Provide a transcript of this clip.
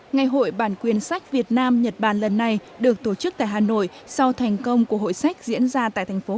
ngày hội bản quyền sách việt nam nhật bản lần này được tổ chức tại hà nội sau thành công của hội sách diễn ra tại tp hcm